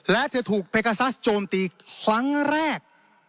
และเธอถูกเพกาซัสโจมตีครั้งแรก